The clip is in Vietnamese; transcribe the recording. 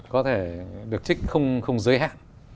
có thể được trích không giới hạn